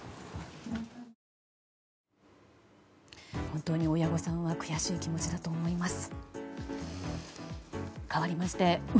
本当に親御さんは悔しい気持ちだと思います。